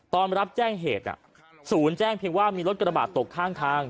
ตอนรับแจ้งเหตุศูนย์แจ้งเพียงว่ามีรถกระบาดตกข้างทาง